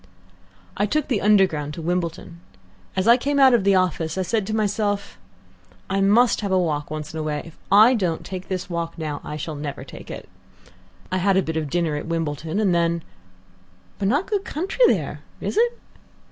"I took the Underground to Wimbledon. As I came out of the office I said to myself, 'I must have a walk once in a way. If I don't take this walk now, I shall never take it.' I had a bit of dinner at Wimbledon, and then " "But not good country there, is it?"